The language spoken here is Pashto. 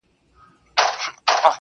o خو يو ځل بيا وسجدې ته ټيټ سو.